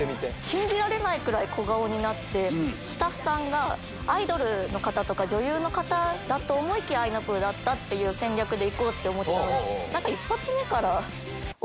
信じられないくらい小顔になってスタッフさんがアイドルの方とか女優の方だと思いきやあいなぷぅだった！っていう戦略で行こうって。